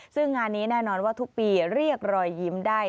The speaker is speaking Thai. ซึ่งงานนี้แน่นอนว่าทุกปีเรียกรอยยิ้มได้